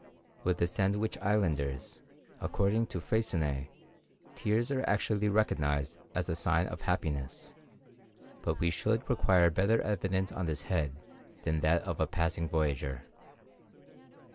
With the Sandwich Islanders, according to Freycinet, tears are actually recognized as a sign of happiness; but we should require better evidence on this head than that of a passing voyager.